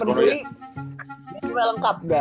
curry cuma lengkap dah